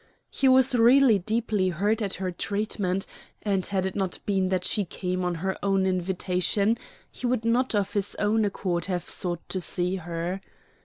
He was really deeply hurt at her treatment, and had it not been that she came on her own invitation he would not of his own accord have sought to see her.